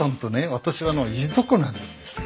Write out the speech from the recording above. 私はいとこなんですよ。